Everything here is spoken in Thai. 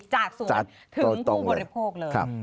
จากสวนถึงผู้บริโภคเลย